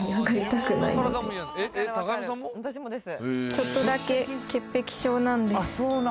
「ちょっとだけ潔癖症なんです」